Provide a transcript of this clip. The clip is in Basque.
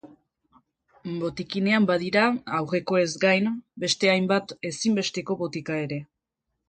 Botikinean badira, aurrekoez gain, beste hainbat ezinbesteko botika ere.